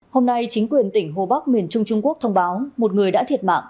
hôm nay chính quyền tỉnh hồ bắc miền trung trung quốc thông báo một người đã thiệt mạng